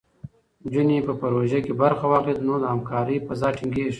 نجونې په پروژو کې برخه واخلي، نو د همکارۍ فضا ټینګېږي.